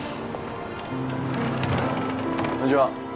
こんにちは